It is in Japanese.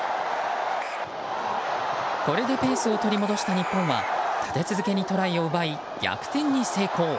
これでペースを取り戻した日本は立て続けにトライを奪い逆転に成功。